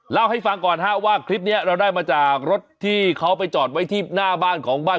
เล่าให้ฟังก่อนว่าคลิปนี้เราได้มาจากรถที่เขาไปจอดไว้ที่หน้าบ้านของบ้าน